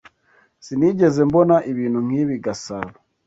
Sinigeze mbona ibintu nkibi i Gasabo.